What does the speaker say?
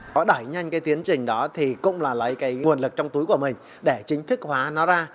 có đẩy nhanh cái tiến trình đó thì cũng là lấy cái nguồn lực trong túi của mình để chính thức hóa nó ra